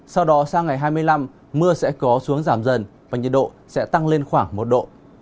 sau đó sang ngày hai mươi năm mưa sẽ có xuống giảm dần và nhiệt độ sẽ tăng lên khoảng một độ